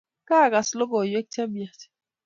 kakas logoywek chemiach